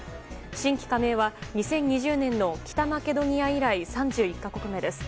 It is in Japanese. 新規加盟は２０２０年の北マケドニア以来３１か国目です。